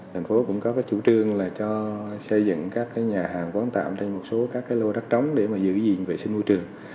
thành phố cũng có chủ trương là cho xây dựng các nhà hàng quán tạm trên một số các lô đất trống để giữ gìn vệ sinh môi trường